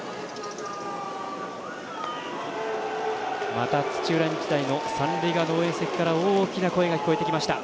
また土浦日大の三塁側の応援席から大きな声が聞こえてきました。